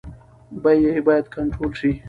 بیې باید کنټرول شي.